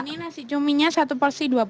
ini nasi cuminya satu porsi dua puluh